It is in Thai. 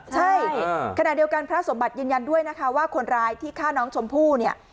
ใช่ขณะเดียวกันพระสมบัติยืนยันด้วยนะคะว่าคนร้ายที่ฆ่าน้องชมพู่เนี่ย